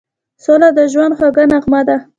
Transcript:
سوله د ژوند خوږه نغمه ده.